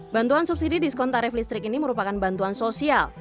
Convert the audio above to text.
bantuan subsidi diskon tarif listrik ini merupakan bantuan sosial